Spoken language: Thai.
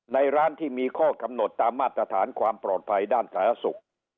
ในร้านที่มีข้อกำหนดตามมาตรฐานความปลอดภัยด้านสาธารณสุข